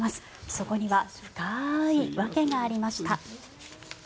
そこには深い訳がありました。